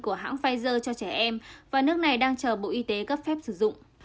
của hãng pfizer cho trẻ em và nước này đang chờ bộ y tế cấp phép sử dụng